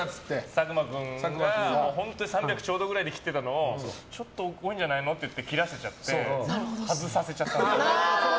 佐久間君が本当に３００ちょうどくらいで切ってたのをちょっと多いんじゃないのって言って切らせちゃって外させちゃったの。